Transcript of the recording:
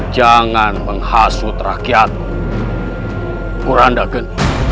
jangan menghasut rakyat kurandakan